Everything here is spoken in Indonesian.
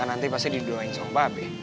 nanti pasti didoain sama babe